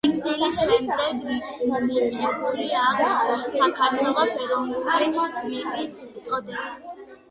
სიკვდილის შემდეგ მინიჭებული აქვს საქართველოს ეროვნული გმირის წოდება.